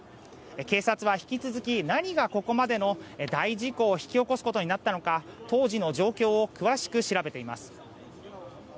警察は引き続き何がここまでの大事故を引き起こすことになったのか当時の状況を詳しく調べています。